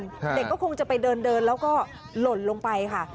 เด็กก็คงจะไปเดินแล้วก็หล่นลงไปค่ะ